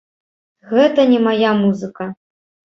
Гэта не мая музыка.